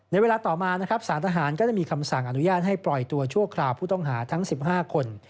เวลาต่อมานะครับสารทหารก็ได้มีคำสั่งอนุญาตให้ปล่อยตัวชั่วคราวผู้ต้องหาทั้ง๑๕คน